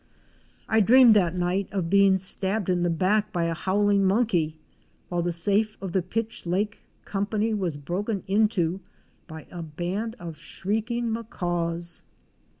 I dreamed that night of being stabbed in the back by a howling monkey, while the safe of the Pitch Lake Company was broken into by a band of shrieking Macaws!